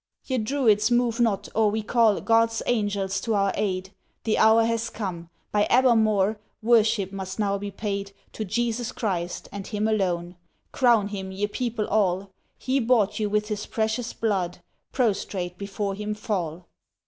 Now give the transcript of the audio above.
Ye Druids move not, or we call God's Angels to our aid. The hour has come. By Abermawr Worship must now be paid To Jesus Christ, and Him alone, Crown Him ye people all; He bought you with His Precious Blood, Prostrate before Him fall!"